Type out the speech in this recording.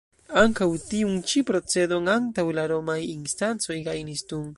Ankaŭ tiun ĉi procedon antaŭ la romaj instancoj gajnis Thun.